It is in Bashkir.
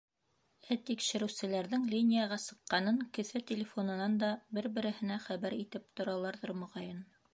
Ә тикшереүселәрҙең линияға сыҡҡанын кеҫә телефонынан да бер-береһенә хәбәр итеп тораларҙыр, моғайын.